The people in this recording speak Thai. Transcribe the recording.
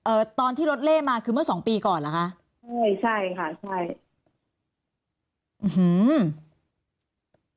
เอ่อตอนที่รถเล่มาคือเมื่อสองปีก่อนล่ะค่ะใช่ค่ะใช่